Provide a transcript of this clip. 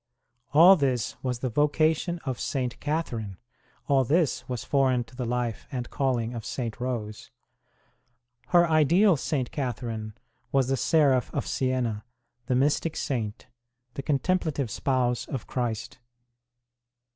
All this was the vocation of St. Catherine ; all this was foreign to the life and calling of St. Rose. Her ideal St. Catherine was the seraph of Siena, the mystic saint, the contemplative spouse of Christ.